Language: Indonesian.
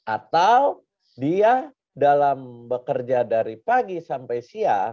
atau dia dalam bekerja dari pagi sampai siang